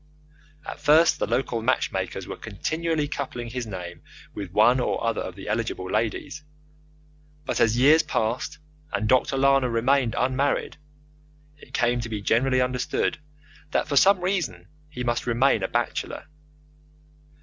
At first the local matchmakers were continually coupling his name with one or other of the eligible ladies, but as years passed and Dr. Lana remained unmarried, it came to be generally understood that for some reason he must remain a bachelor.